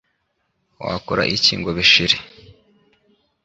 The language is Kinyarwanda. Wakora iki ngo bishire